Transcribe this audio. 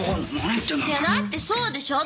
いやだってそうでしょ？